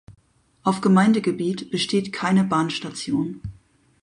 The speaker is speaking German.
Auf Gemeindegebiet besteht keine Bahnstation.